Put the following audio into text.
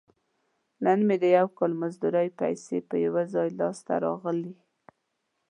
نن مې د یو کال مزدورۍ پیسې په یو ځای لاس ته راغلي.